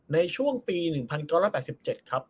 ในช่วงปี๑๙๘๗ครับ